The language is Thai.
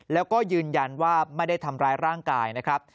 แล้วก็ยืนยันว่าไม่ได้ทำร้ายร่างกายนะครับ